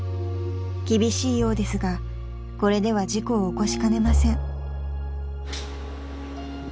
［厳しいようですがこれでは事故を起こしかねません］